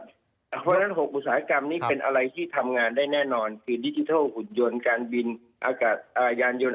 เพราะฉะนั้น๖อุตสาหกรรมนี้เป็นอะไรที่ทำงานได้แน่นอนคือดิจิทัลหุ่นยนต์การบินอากาศยานยนต์